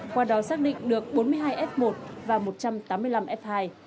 qua đó xác định được bốn mươi hai f một và một trăm tám mươi năm f hai